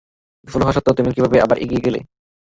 বিফল হওয়া সত্ত্বেও তুমি কীভাবে আবার এগিয়ে গেলে?